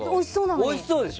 おいしそうでしょ？